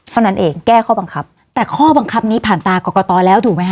เท่านั้นเองแก้ข้อบังคับแต่ข้อบังคับนี้ผ่านตากรกตแล้วถูกไหมฮ